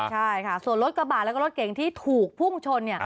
ใช่ค่ะส่วนรถกระบาดแล้วก็รถเก่งที่ถูกพุ่งชน